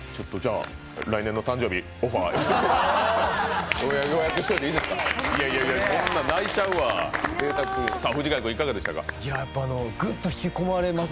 来年の誕生日、オファーさせていただきます。